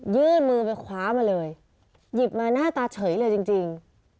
ยื่นมือไปคว้ามาเลยหยิบมาหน้าตาเฉยเลยจริง